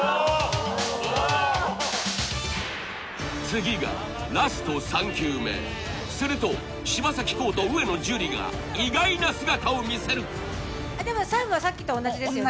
次がラスト３球目すると柴咲コウと上野樹里が意外な姿を見せるでも最後はさっきと同じですよね